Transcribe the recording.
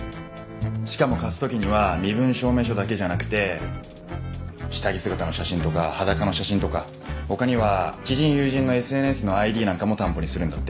しかも貸す時には身分証明書だけじゃなくて下着姿の写真とか裸の写真とか他には知人友人のＳＮＳのＩＤなんかも担保にするんだって。